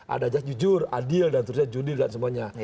ada jajujur adil dan judi dan semuanya